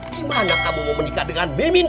gimana kamu mau menikah dengan bemin